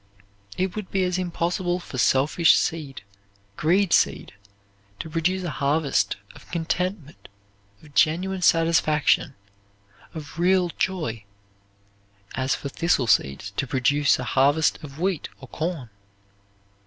It would be as impossible for selfish seed, greed seed to produce a harvest of contentment, of genuine satisfaction, of real joy, as for thistle seeds to produce a harvest of wheat or corn.